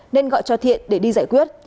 nên gọi cho thiện để đi giải quyết